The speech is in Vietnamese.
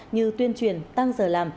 như tuyên truyền tăng giờ làm